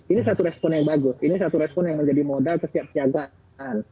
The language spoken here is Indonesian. ini satu respon yang bagus ini satu respon yang menjadi modal kesiapsiagaan